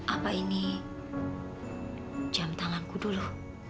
apa ini jam tanganku dulu